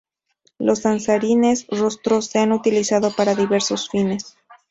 Los danzarines rostro se han utilizado para diversos fines.